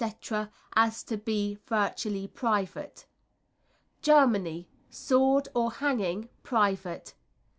as to be virtually private. Germany Sword or hanging, private.